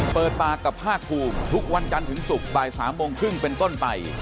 เปิดปากกับภาคภูมิทุกวันจันทร์ถึงศุกร์บ่าย๓โมงครึ่งเป็นต้นไป